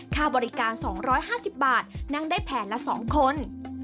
ค่าบริการ๒๕๐บาทนั่งได้แผนละ๒คน